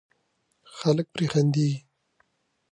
خلک پرې خندېږي.